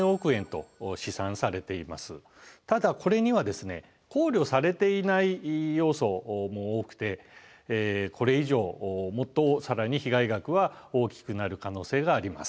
ただこれにはですね考慮されていない要素も多くてこれ以上もっと更に被害額は大きくなる可能性があります。